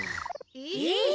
えっ？